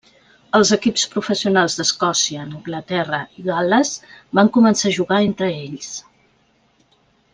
Els equips professionals d'Escòcia, Anglaterra i Gal·les van començar a jugar entre ells.